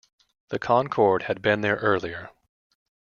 The Concorde had been there earlier.